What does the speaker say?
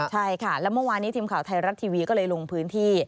ใช่ค่ะแล้วเมื่อวานนี้ทีมข่าวไทยรัฐทีวีก็เลยลงพื้นที่